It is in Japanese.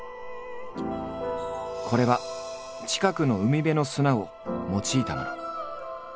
これは近くの海辺の砂を用いたもの。